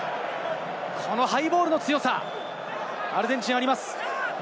ハイボールの強さ、アルゼンチン、あります。